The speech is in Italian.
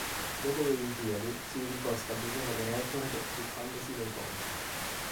Dopo le olimpiadi si dedicò a stabilire dei record tuffandosi dai ponti.